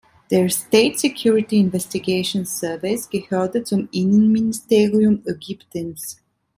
Der State Security Investigations Service gehörte zum Innenministerium Ägyptens.